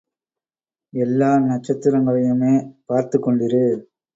எல்லா நட்சத்திரங்களையுமே பார்த்துக் கொண்டிரு!